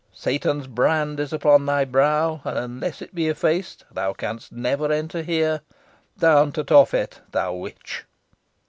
Satan's brand is upon thy brow and, unless it be effaced, thou canst never enter here. Down to Tophet, thou witch!"